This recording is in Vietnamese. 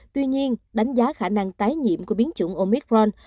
tuy nhiên đánh giá khả năng tái nhiễm của biến chủng omicron